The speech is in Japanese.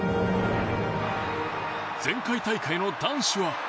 前回大会の男子は。